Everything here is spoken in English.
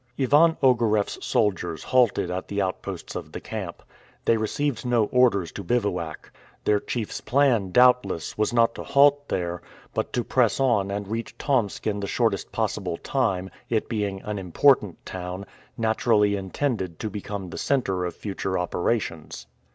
Ivan Ogareff's soldiers halted at the outposts of the camp. They received no orders to bivouac. Their chief's plan, doubtless, was not to halt there, but to press on and reach Tomsk in the shortest possible time, it being an important town, naturally intended to become the center of future operations.